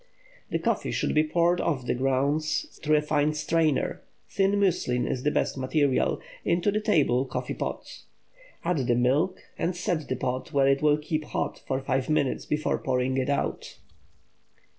The coffee should be poured off the grounds through a fine strainer (thin muslin is the best material) into the table coffee pot. Add the milk, and set the pot where it will keep hot for five minutes before pouring it out.